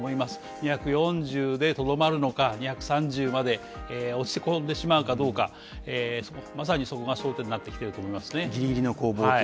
２４０でとどまるのか、２３０まで落ち込んでしまうかどうか、まさにそこが争点になってきてると思いますね